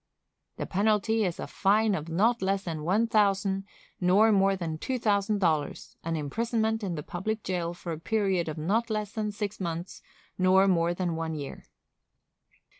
This penalty is a fine of not less than one thousand nor more than two thousand dollars, and imprisonment in the public jail for a period of not less than six months nor more than one year.